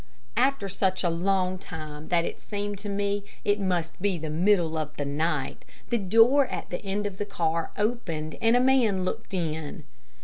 After such a long time that it seemed to me it must be the middle of the night, the door at the end of the car opened, and a man looked in.